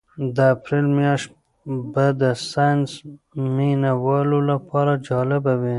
د اپریل میاشت به د ساینس مینه والو لپاره جالبه وي.